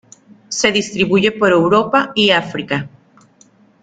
Se distribuye por Europa y África.